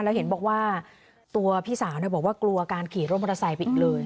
แล้วเห็นบอกว่าตัวพี่สาวบอกว่ากลัวการขี่รถมอเตอร์ไซค์ไปอีกเลย